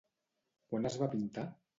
Quan es va pintar?